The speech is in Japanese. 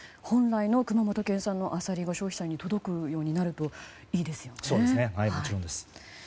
本来の熊本県産のアサリが消費者に届くようになるといいですね。